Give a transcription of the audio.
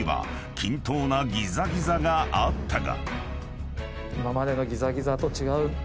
均等なギザギザがあったが］